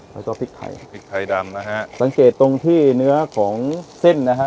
แล้วก็พริกไทยพริกไทยดำนะฮะสังเกตตรงที่เนื้อของเส้นนะฮะ